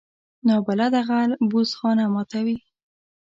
نابلده غل بوس خانه ماتوي